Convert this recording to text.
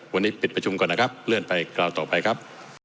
วันนี้ปิดประชุมก่อนนะครับเลื่อนไปคราวต่อไปครับ